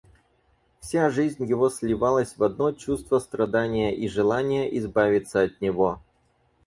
Вся жизнь его сливалась в одно чувство страдания и желания избавиться от него.